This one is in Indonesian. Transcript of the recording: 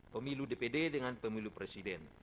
pemilu dpd dengan pemilu presiden